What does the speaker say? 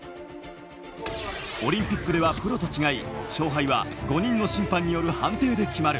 オリンピックではプロと違い、勝敗は５人の審判による判定で決まる。